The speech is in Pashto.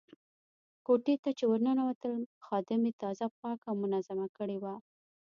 کوټې ته چې ورننوتلم خادمې تازه پاکه او منظمه کړې وه.